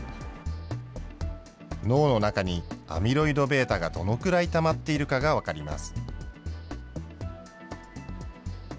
脳の中にアミロイドβがどのくらいたまっているかが分かります。